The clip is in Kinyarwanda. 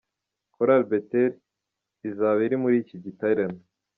Korali Bethel izaba iri muri iki giterane.